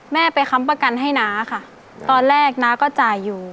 แม่ไปค้ำประกันให้น้าค่ะตอนแรกน้าก็จ่ายอยู่